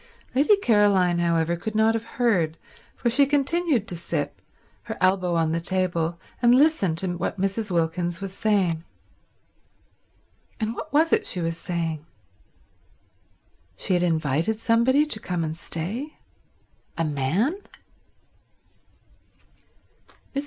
Lady Caroline, however, could not have heard, for she continued to sip, her elbow on the table, and listen to what Mrs. Wilkins was saying. And what was it she was saying? She had invited somebody to come and stay? A man?